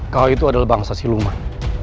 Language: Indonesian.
kau itu adalah bangsa siluman